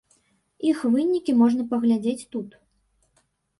Іх вынікі можна паглядзець тут.